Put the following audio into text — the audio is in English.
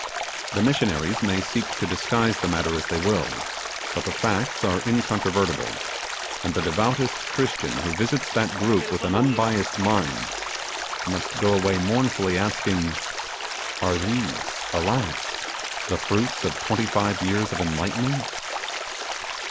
The missionaries may seek to disguise the matter as they will, but the facts are incontrovertible; and the devoutest Christian who visits that group with an unbiased mind, must go away mournfully asking 'Are these, alas! the fruits of twenty five years of enlightening?